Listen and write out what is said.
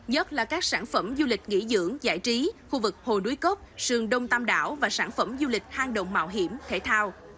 nhất là các sản phẩm du lịch nghỉ dưỡng giải trí khu vực hồ đuối cốc sườn đông tam đảo và sản phẩm du lịch hang động mạo hiểm thể thao